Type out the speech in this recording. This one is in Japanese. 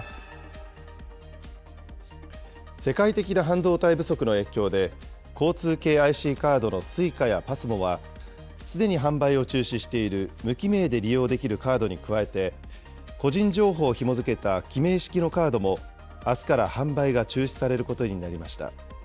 世界的な半導体不足の影響で、交通系ＩＣカードのＳｕｉｃａやＰＡＳＭＯは、すでに販売を中止している無記名で利用できるカードに加えて、個人情報をひも付けた記名式のカードも、あすから販売が中止されることになりました。